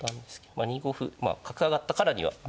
まあ２五歩角上がったからには。